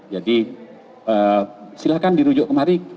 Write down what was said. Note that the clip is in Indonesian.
jadi silahkan dirujuk kemari